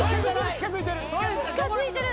近づいてる。